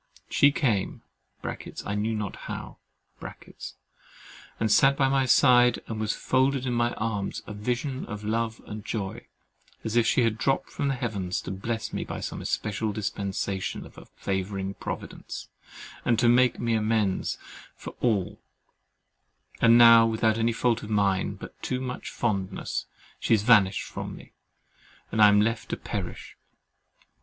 She came (I knew not how) and sat by my side and was folded in my arms, a vision of love and joy, as if she had dropped from the Heavens to bless me by some especial dispensation of a favouring Providence, and make me amends for all; and now without any fault of mine but too much fondness, she has vanished from me, and I am left to perish.